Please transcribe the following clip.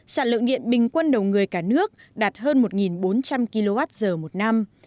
sản lượng điện bình quân đầu người cả nước đạt hơn một bốn trăm linh kwh một năm